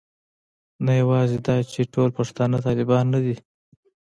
نه یوازې دا چې ټول پښتانه طالبان نه دي.